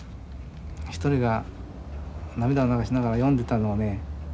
一人が涙を流しながら読んでたのをね